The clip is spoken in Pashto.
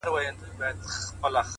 د تمرکز ځواک ذهن واحد هدف ته بیایي!